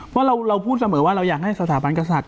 เพราะเราพูดเสมอว่าเราอยากให้สถาบันกษัตริย